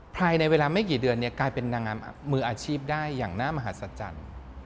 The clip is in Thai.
ภายในเวลาไม่กี่เดือนกลายเป็นนางงามมืออาชีพได้อย่างหน้ามหัศจรรย์